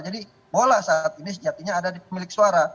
jadi bola saat ini sejatinya ada di pemilik suara